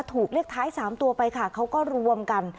ถูกเลขท้าย๓ตัวไปค่ะเขาก็รวมกัน